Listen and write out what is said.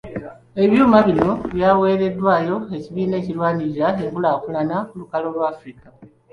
Ebyuma bino byaweereddwayo Ekibiina ekirwanirira enkulaakulana ku lukalu lwa Africa.